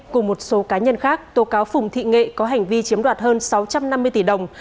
cùng một số cá nhân khác tố cáo phùng thị nghệ có hành vi chiếm đoạt hơn sáu trăm năm mươi tỷ đồng